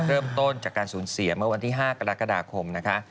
เริ่มต้นจากการสูญเสียเมื่อวันที่๕กรกฎาคมนะคะ